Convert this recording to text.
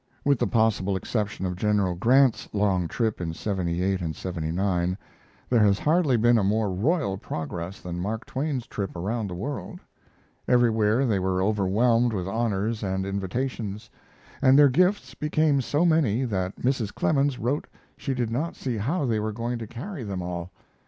With the possible exception of General Grant's long trip in '78 and '79 there has hardly been a more royal progress than Mark Twain's trip around the world. Everywhere they were overwhelmed with honors and invitations, and their gifts became so many that Mrs. Clemens wrote she did not see how they were going to carry them all.